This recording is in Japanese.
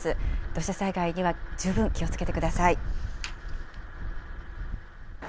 土砂災害には十分気をつけてください。